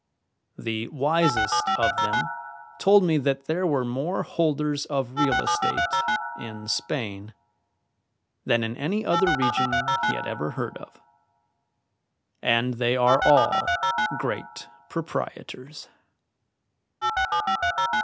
The wisest of them told me that there were more holders of real estate in Spain than in any other region he had ever heard of, and they are all great proprietors.